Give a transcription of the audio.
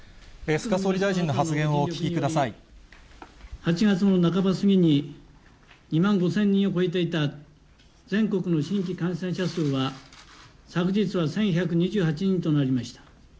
菅総理大臣の発言をお聞きく８月の半ば過ぎに、２万５０００人を超えていた全国の新規感染者数は、昨日は１１２８人となりました。